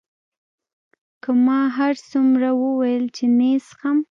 که ما هرڅومره وویل چې نه یې څښم.